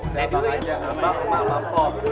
dapat aja nama kemah nama po